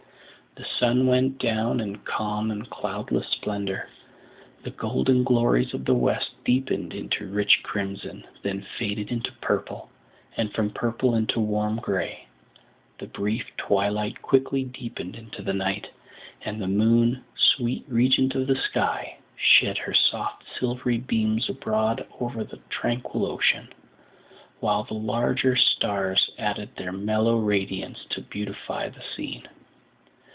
The sun went down in calm and cloudless splendour; the golden glories of the west deepened into rich crimson, then faded into purple, and from purple into warm grey; the brief twilight quickly deepened into night, and the moon, "sweet regent of the sky," shed her soft silvery beams abroad over the tranquil ocean; while the larger stars added their mellow radiance to beautify the scene.